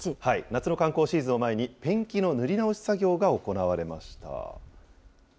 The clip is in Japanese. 夏の観光シーズンを前にペンキの塗り直し作業が行われました。